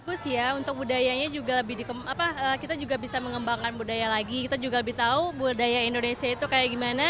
usia untuk budayanya juga lebih dikembangkan kita juga bisa mengembangkan budaya lagi kita juga lebih tahu budaya indonesia itu kayak gimana